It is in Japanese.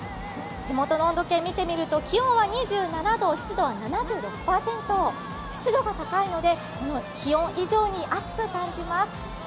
手元の温度計を見てみると気温は２７度湿度は７６％、湿度が高いので、この気温以上に暑く感じます。